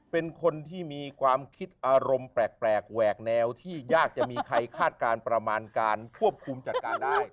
เป็นคนที่มีความคิดอารมณ์แปลกแหวกแนวที่ยากจะมีใครคาดการณ์ประมาณการควบคุมจัดการได้